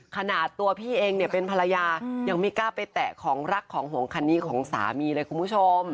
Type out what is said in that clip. ขนาดตัวพี่เองเนี่ยเป็นภรรยายังไม่กล้าไปแตะของรักของห่วงคันนี้ของสามีเลยคุณผู้ชม